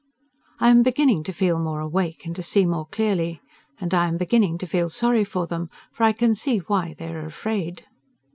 I am beginning to feel more awake and to see more clearly. And I am beginning to feel sorry for them, for I can see why they are afraid.